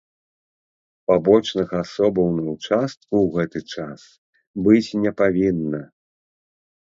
Пабочных асобаў на ўчастку ў гэты час быць не павінна.